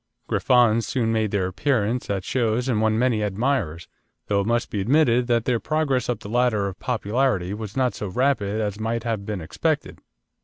Griffons soon made their appearance at shows and won many admirers, though it must be admitted that their progress up the ladder of popularity was not so rapid as might have been expected.